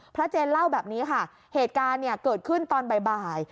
เจนเล่าแบบนี้ค่ะเหตุการณ์เนี่ยเกิดขึ้นตอนบ่าย